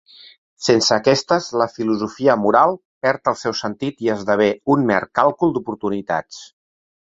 Sense aquestes, la filosofia moral perd el seu sentit i esdevé un mer càlcul d’oportunitats.